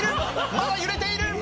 まだ揺れている！